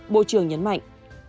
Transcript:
bộ trưởng nhấn mạnh